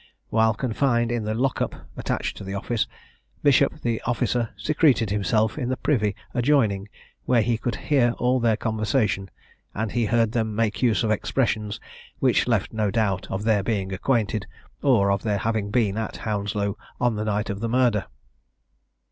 While confined in the lock up, attached to the office, Bishop, the officer, secreted himself in the privy adjoining, where he could hear all their conversation, and he heard them make use of expressions, which left no doubt of their being acquainted, or of their having been at Hounslow on the night of the murder.